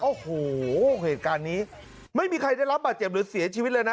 โอ้โหเหตุการณ์นี้ไม่มีใครได้รับบาดเจ็บหรือเสียชีวิตเลยนะ